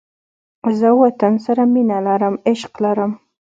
زه وطن سره مینه نه لرم، عشق لرم